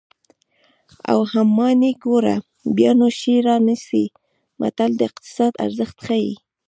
اول همیانۍ ګوره بیا نو شی رانیسه متل د اقتصاد ارزښت ښيي